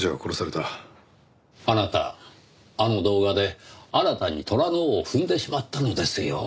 あなたあの動画で新たに虎の尾を踏んでしまったのですよ